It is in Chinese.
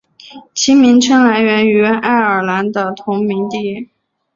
其名称来源于爱尔兰的同名地。